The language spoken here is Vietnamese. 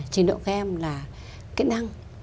trình độ game là kỹ năng